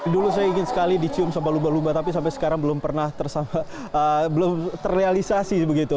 dulu saya ingin sekali dicium sama lumba lumba tapi sampai sekarang belum terrealisasi begitu